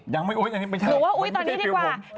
ยังไม่อุ๊ยอันนี้ไม่ใช่มันไม่ได้ฟิวผม